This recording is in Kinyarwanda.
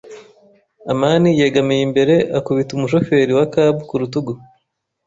amani yegamiye imbere akubita umushoferi wa cab ku rutugu.